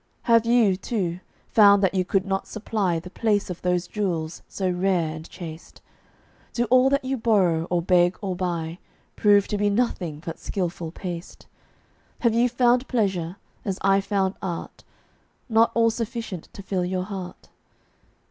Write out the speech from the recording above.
Have you, too, found that you could not supply The place of those jewels so rare and chaste? Do all that you borrow or beg or buy Prove to be nothing but skilful paste? Have you found pleasure, as I found art, Not all sufficient to fill your heart?